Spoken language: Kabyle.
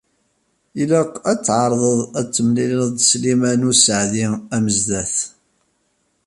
Ilaq ad tɛeṛḍeḍ ad temlileḍ d Sliman u Saɛid Amezdat.